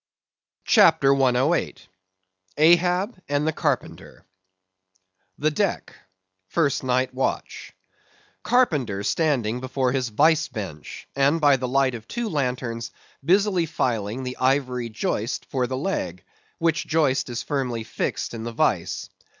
CHAPTER 108. Ahab and the Carpenter. The Deck—First Night Watch. (_Carpenter standing before his vice bench, and by the light of two lanterns busily filing the ivory joist for the leg, which joist is firmly fixed in the vice.